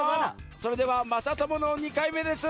それではまさともの２かいめです。